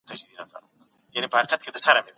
جــــذبـه د مــحــبــت يـې